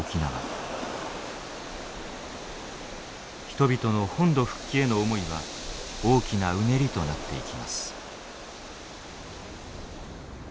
人々の本土復帰への思いは大きなうねりとなっていきます。